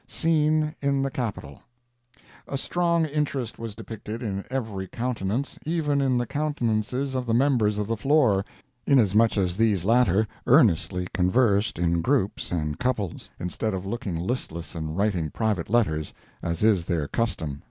SCENE IN THE CAPITOL A strong interest was depicted in every countenance—even in the countenances of the members of the floor—inasmuch that these latter earnestly conversed in groups and couples, instead of looking listless and writing private letters, as is their custom.